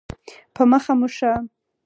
په مخه مو ښه.